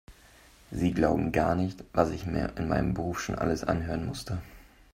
Sie glauben gar nicht, was ich mir in meinem Beruf schon alles anhören musste.